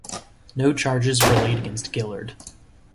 No charges were laid against Gillard.